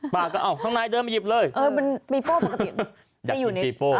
ป้าก็อ้าวข้างในเดินมาหยิบเลยเออมันปีโป้ปกติอยู่ในเออ